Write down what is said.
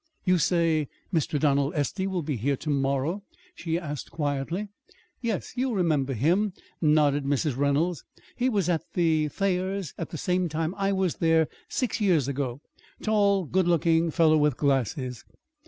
"You say Mr. Donald Estey will be here, to morrow?" she asked quietly. "Yes. You remember him," nodded Mrs. Reynolds. "He was at the Thayers' at the same time I was there six years ago tall, good looking fellow with glasses."